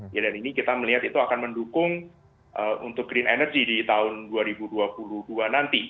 ya dan ini kita melihat itu akan mendukung untuk green energy di tahun dua ribu dua puluh dua nanti